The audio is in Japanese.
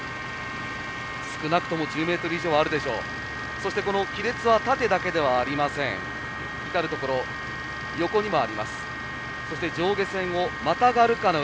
少なくとも１０ｍ以上あるでしょうか。